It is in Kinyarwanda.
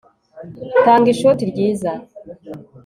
Tanga ishoti ryiza